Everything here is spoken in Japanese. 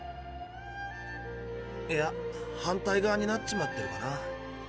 いや反対側になっちまってるかな。